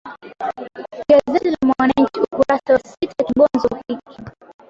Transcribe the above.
gazeti la mwananchi ukurasa wa sita kibonzo hiki